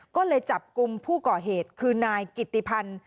ก็เลยจับกลุ่มผู้ก่อเหตุคือนายกิตติพันธ์